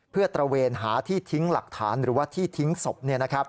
เพื่อตระเวนหาที่ทิ้งหลักฐานหรือว่าที่ทิ้งศพ